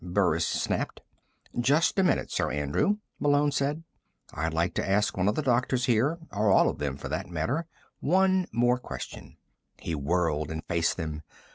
Burris snapped. "Just a minute, Sir Andrew," Malone said. "I'd like to ask one of the doctors here or all of them, for that matter one more question." He whirled and faced them.